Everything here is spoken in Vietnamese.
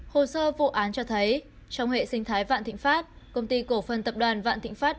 hồ sơ vụ án cho thấy trong hệ sinh thái vạn thịnh phát công ty cổ phân tập đoàn vạn thịnh phát